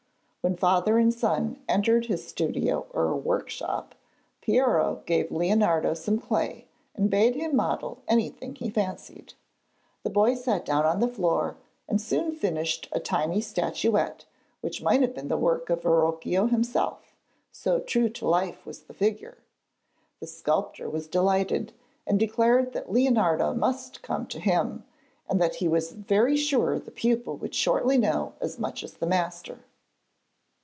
When father and son entered his studio or workshop, Piero gave Leonardo some clay, and bade him model anything he fancied. The boy sat down on the floor, and soon finished a tiny statuette which might have been the work of Verrocchio himself, so true to life was the figure. The sculptor was delighted, and declared that Leonardo must come to him, and that he was very sure the pupil would shortly know as much as the master.